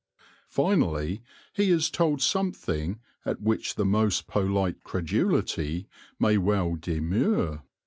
Finally he is told something at which the most polite credulity may well demur.